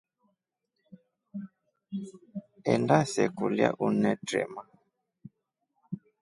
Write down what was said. Enda se kulya unetrema.